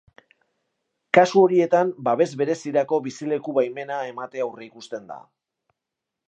Kasu horietan, babes berezirako bizileku-baimena ematea aurreikusten da.